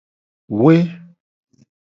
We.